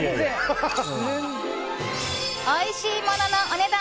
おいしいもののお値段